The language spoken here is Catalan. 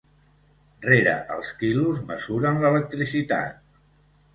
Rere els quilos mesuren l'electricitat.